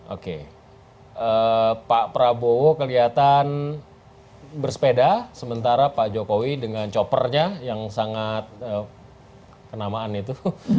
oke pak prabowo kelihatan bersepeda sementara pak jokowi dengan choppernya yang sangat kenamaan itu